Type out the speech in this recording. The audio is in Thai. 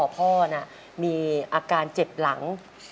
พ่อมีอาการเจ็บหลัง